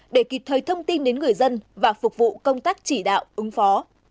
để kịp thời thông tin đến người dân và phục vụ công tác chỉ đạo ứng phó